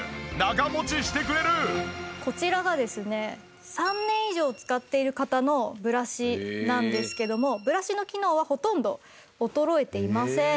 こちらがですね３年以上使っている方のブラシなんですけどもブラシの機能はほとんど衰えていません。